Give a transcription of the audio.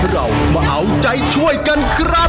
เรามาเอาใจช่วยกันครับ